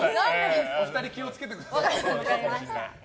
お二人、気を付けてください。